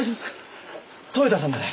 豊太さんだね？